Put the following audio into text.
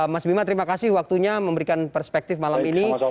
mas bima terima kasih waktunya memberikan perspektif malam ini